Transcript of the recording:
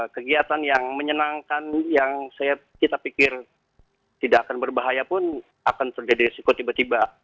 kegiatan yang menyenangkan yang kita pikir tidak akan berbahaya pun akan terjadi resiko tiba tiba